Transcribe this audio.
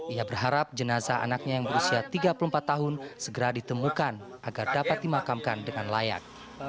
ia berharap jenazah anaknya yang berusia tiga puluh empat tahun segera ditemukan agar dapat dimakamkan dengan layak